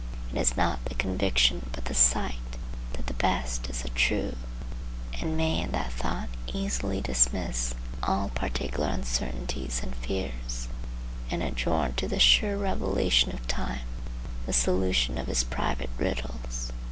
He has not the conviction, but the sight, that the best is the true, and may in that thought easily dismiss all particular uncertainties and fears, and adjourn to the sure revelation of time the solution of his private riddles.